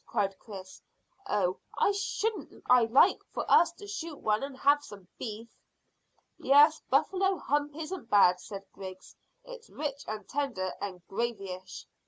cried Chris. "Oh, shouldn't I like for us to shoot one and have some beef!" "Yes; buffalo hump isn't bad," said Griggs. "It's rich and tender and gravyish."